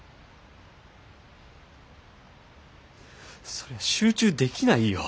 そりゃ集中できないよ。